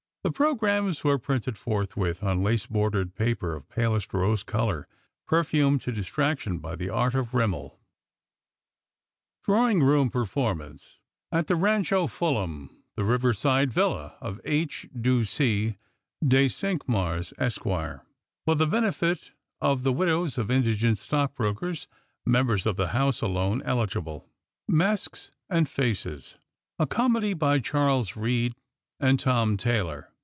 The programmes were printed forthwith, on lace bordered paper of palest rose colour, perfumed to distraction by the art of flimmol. At the RANcno, Fuluam (the Rivekside Villa or H, DU C. DE ClNQMAIlS, EsQ.), FOR THE BENEFIT OF THE WIDOWS OF INDIGENT STOCKBROKERS {Members of the Hoiise alone eligible). MASKS AND FACES. A Comedy by Charlbs Reade and Tom Tayloe.